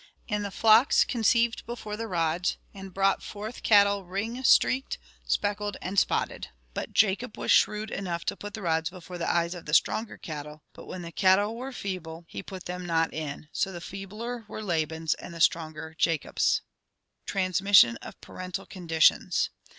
And the flocks conceived before the rods, and brought forth cattle ringstreaked, speckled and spotted." But Jacob was shrewd enough to put the rods before the eyes of the stronger cattle, "but when the cattle were feeble, he ISO ORGANIC EVOLUTION put them not in: so the feebler were Laban's, and the stror>ger Jacob's." Transmission of Parental Conditions.